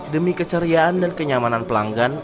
demi keceriaan dan kenyamanan pelanggan